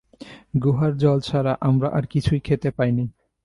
গুহার জল ছাড়া আমরা আর কিছুই খেতে পাইনি।